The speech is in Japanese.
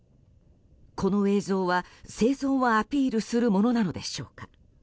この映像は、生存をアピールするものなのでしょうか。